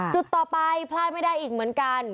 จุดต่อไปพลาดไม่ได้อีกเหมือนกัน